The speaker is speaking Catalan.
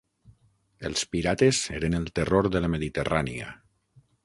Els pirates eren el terror de la Mediterrània.